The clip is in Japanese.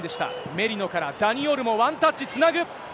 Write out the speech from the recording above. メリノからダニ・オルモ、ワンタッチ、つなぐ。